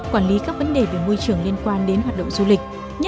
quản lý các vấn đề về môi trường liên quan đến hoạt động du lịch